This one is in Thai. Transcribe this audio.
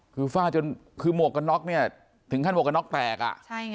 คือฟาจนคือโหมกกน๊อกเนี่ยถึงขั้นโหมกกน๊อกแปดอ่ะ